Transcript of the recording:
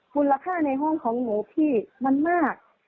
มูลค่าในห้องของหนูพี่มันมาก